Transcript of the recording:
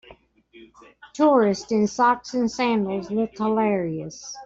Tourists in socks and sandals look hilarious.